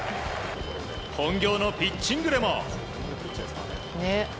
本業のピッチングでも。